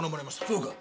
そうか。